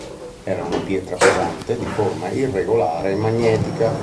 Era una pietra pesante, di forma irregolare e magnetica.